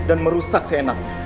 dan merusak tenangnya